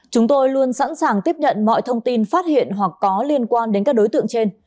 chúng tôi luôn sẵn sàng tiếp nhận mọi thông tin phát hiện hoặc có liên quan đến các đối tượng trên